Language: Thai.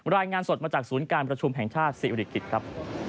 รายงานสดมาจากศูนย์การประชุมแห่งชาติศิริกิจครับ